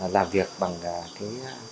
làm việc bằng cái